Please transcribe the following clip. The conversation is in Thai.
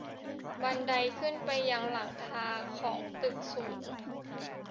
บันไดขึ้นไปยังหลังคาของตึกสูง